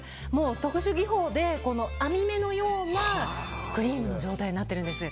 特殊技法で網目のようなクリームの状態になってるんです。